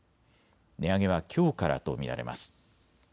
値上げはきょうからと見られます。